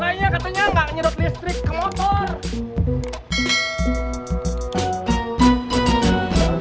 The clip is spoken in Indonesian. kayaknya katanya nggak nyedot listrik ke motor